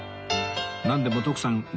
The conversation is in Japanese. なんでも徳さん